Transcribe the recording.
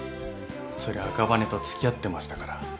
そりゃ赤羽と付き合ってましたから。